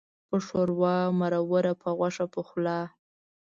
په ښوروا مروره، په غوښه پخلا.